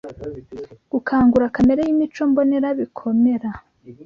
gukangura kamere y’imico mbonera bikomera.